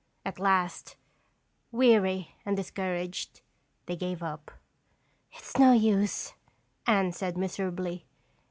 At last, weary and discouraged, they gave up. "It's no use," Anne said miserably.